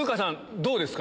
どうですか？